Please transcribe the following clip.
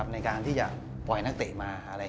ในการที่จะปล่อยนักเตะมาอะไร